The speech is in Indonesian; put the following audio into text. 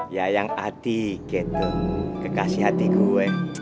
ya yang adik gitu kekasih hati gue